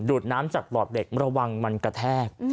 ดน้ำจากหลอดเหล็กระวังมันกระแทก